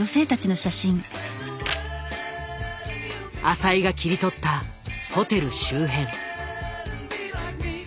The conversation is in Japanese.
浅井が切り取ったホテル周辺。